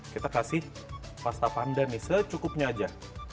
kita kasih pasta panda nih secukupnya aja